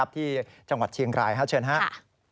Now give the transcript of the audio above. ที่จังหวัดเชียงรายเชิญครับ